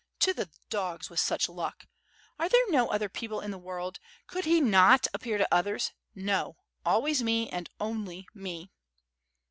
To the dogs with such luck! Are there no other people in the world? Could he not appear to others? No, always me, and only me."